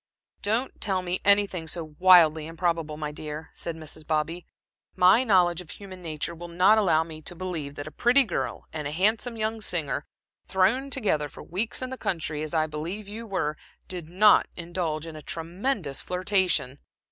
"Don't tell me anything so wildly improbable, my dear," said Mrs. Bobby. "My knowledge of human nature will not allow me to believe that a pretty girl and a handsome young singer, thrown together for weeks in the country, as I believe you were, did not indulge in a tremendous flirtation.